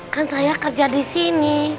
kan saya kerja disini